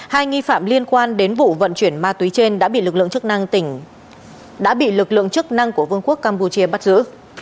hai nghi phạm liên quan đến vụ vận chuyển ma túy trên đã bị lực lượng chức năng của vương quốc campuchia bắt giữ